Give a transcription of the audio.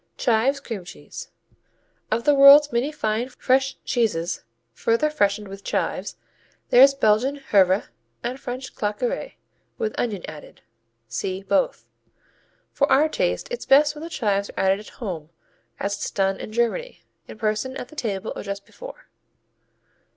Chives cream cheese Of the world's many fine fresh cheeses further freshened with chives, there's Belgian Hervé and French Claqueret (with onion added). (See both.) For our taste it's best when the chives are added at home, as it's done in Germany, in person at the table or just before.